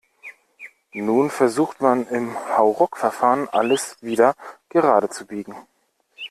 Nun versucht man im Hauruckverfahren, alles wieder gerade zu biegen.